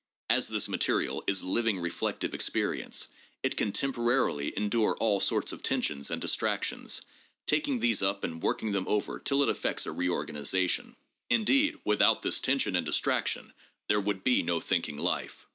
As this material is living reflective experience, it can temporarily endure all sorts of tensions and distractions, taking these up and working them over till it effects a reorganization. Indeed, without this tension and distraction, there would be no thinking life.